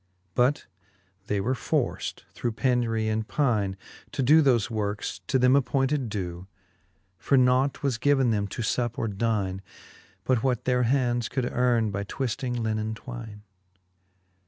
But they were forft through penury and pyne. To doe thofe workes, to them appointed dew : For nought was given them to fup or dyne. But what their hands could earn by twifting linnen twyne.